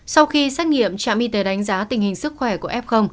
sau khi xét nghiệm trạm y tế đánh giá tình hình sức khỏe của f